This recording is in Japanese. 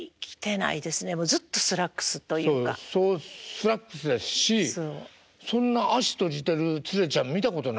スラックスですしそんな脚閉じてるツレちゃん見たことないです。